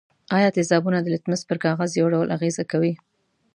آیا تیزابونه د لتمس پر کاغذ یو ډول اغیزه کوي؟